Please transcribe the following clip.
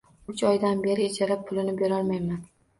Uch oydan beri ijara pulini berolmayman